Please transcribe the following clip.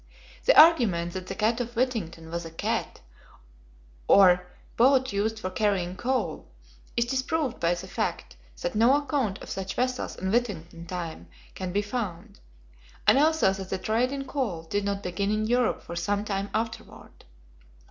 The argument that the cat of Whittington was a "cat," or boat used for carrying coal, is disproved by the fact that no account of such vessels in Whittington's time can be found, and also that the trade in coal did not begin in Europe for some time afterward.